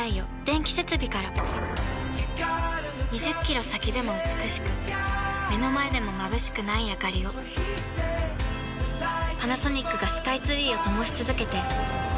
２０キロ先でも美しく目の前でもまぶしくないあかりをパナソニックがスカイツリーを灯し続けて今年で１０年